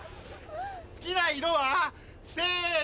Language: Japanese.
好きな色は？せの。